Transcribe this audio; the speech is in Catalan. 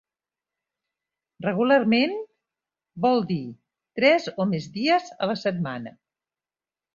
"Regularment" vol dir tres o més dies a la setmana.